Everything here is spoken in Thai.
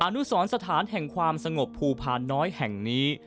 นุสรสถานแห่งความสงบภูพานน้อยแห่งนี้